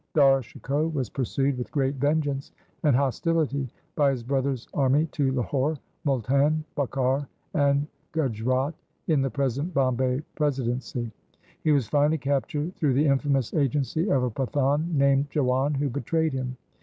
Dara Shikoh was pursued with great vengeance and hostility by his brother's army to Lahore, Multan, Bhakhar, and Gujrat in the present Bombay presi dency. He was finally captured through the infamous agency of a Pathan named Jiwan who betrayed him.